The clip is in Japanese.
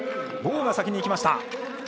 ボウが先にいきました。